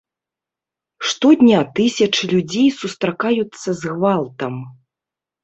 Штодня тысячы людзей сустракаюцца з гвалтам.